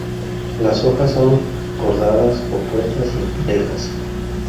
Las hojas son cordadas, opuestas y en parejas.